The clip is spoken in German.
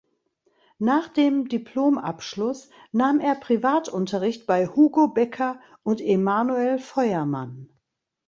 Nach dem Diplomabschluss nahm er Privatunterricht bei Hugo Becker und Emanuel Feuermann.